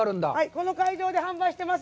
この会場で販売しています。